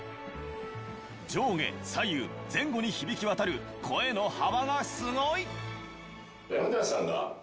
上下左右前後に響き渡る声の幅がスゴい！